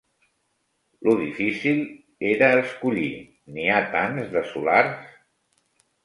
Lo difícil era escollir. N'hi ha tants de solars